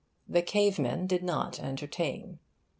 The cavemen did not entertain.